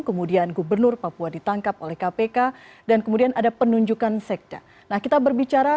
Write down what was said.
kemudian gubernur papua ditangkap oleh kpk dan kemudian ada penunjukan sekda nah kita berbicara